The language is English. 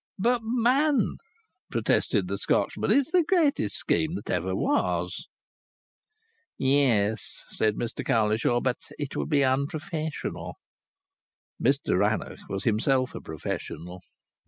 "But, man!" protested the Scotchman, "it's the greatest scheme that ever was." "Yes," said Mr Cowlishaw, "but it would be unprofessional." Mr Rannoch was himself a professional.